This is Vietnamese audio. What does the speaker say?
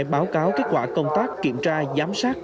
báo cáo kết quả công tác kiểm tra giám sát